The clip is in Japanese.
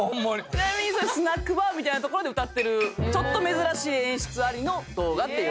ちなみにスナックバーみたいな所で歌ってるちょっと珍しい演出ありの動画っていう。